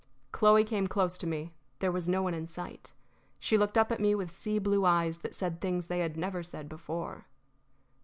Chloe came close to me. There was no one in sight. She looked tip at me with sea blue eyes that said things they had never said before.